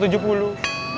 wey tahun tujuh puluh